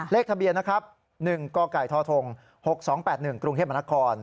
เลขทะเบียนนะครับ๑กกทธ๖๒๘๑กรุงเทพมนาคม